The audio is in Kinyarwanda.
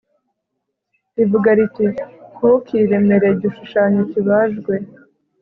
rivuga riti Ntukiremere igishushanyo kibajwe